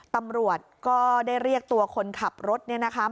ตำรวจก็ได้เรียกตัวคนขับรถเนี่ยนะคะ